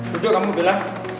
duduk kamu bila